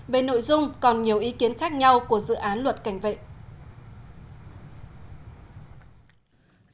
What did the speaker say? về nội dung còn nhiều ý kiến khác nhau của dự án luật cảnh vệ